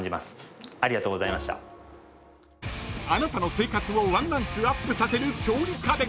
［あなたの生活をワンランクアップさせる調理家電］